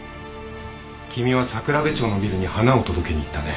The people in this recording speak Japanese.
君は桜部町のビルに花を届けに行ったね。